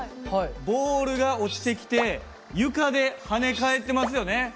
ボールが落ちてきて床で跳ね返ってますよね。